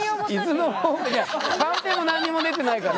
カンペも何にも出てないから。